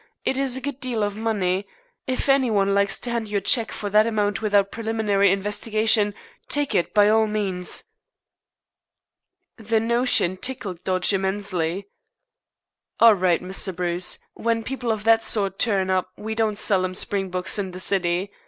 It is a good deal of money. If any one likes to hand you a cheque for that amount without preliminary investigation, take it by all means." The notion tickled Dodge immensely. "All right, Mr. Bruce. When people of that sort turn up we don't sell 'em Springboks in the City.